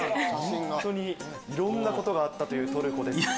いろんなことがあったというトルコですが。